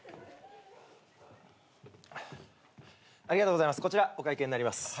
ありがとうございます